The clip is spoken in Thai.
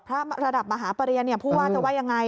ระดับมหาประเรียนผู้ว่าจะว่ายังไง